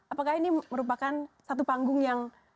apakah ini merupakan satu panggung yang